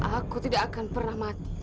aku tidak akan pernah mati